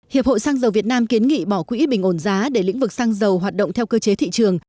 hiệp hội xăng dầu việt nam kiến nghị bỏ quỹ bình ổn giá để lĩnh vực xăng dầu hoạt động theo cơ chế thị trường